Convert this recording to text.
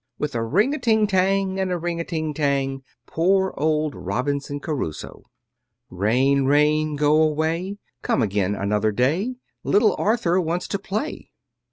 With a ring a ting tang, And a ring a ting tang, Poor old Robinson Crusoe! Rain, rain, go away, Come again another day; Little Arthur wants to play.